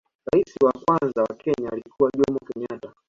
rais wa kwanza wa kenya alikuwa jomo kenyatta